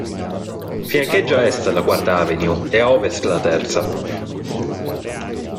Fiancheggia a est la quarta Avenue e a ovest la terza.